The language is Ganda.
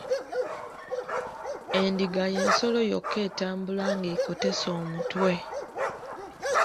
Endiga y'ensolo yokka etambula ng'ekotese omutwe.